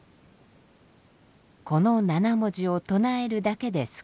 「この７文字を唱えるだけで救われる」。